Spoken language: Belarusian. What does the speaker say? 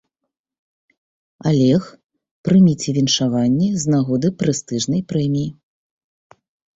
Алег, прыміце віншаванні з нагоды прэстыжнай прэміі.